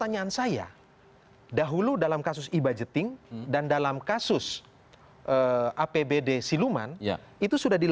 ada apa di balik ini